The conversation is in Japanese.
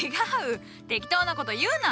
適当な事言うな！